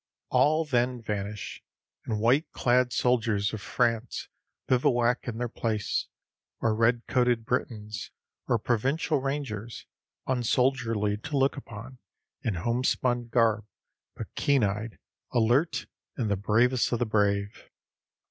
All then vanish, and white clad soldiers of France bivouac in their place or red coated Britons, or Provincial rangers, unsoldierly to look upon, in home spun garb, but keen eyed, alert, and the bravest of the brave.